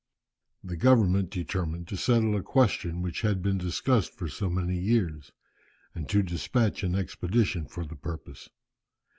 The government determined to settle a question which had been discussed for so many years, and to despatch an expedition for the purpose.